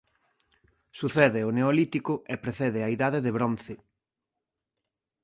Sucede ao Neolítico e precede á Idade de Bronce.